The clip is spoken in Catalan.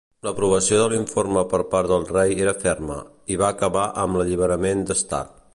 L'aprovació de l'informe per part del rei era ferma, i va acabar amb l'alliberament d'Stark.